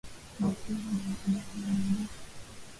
Lisilo na budi hubidi.